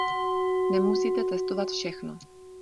Nemusíte testovat všechno.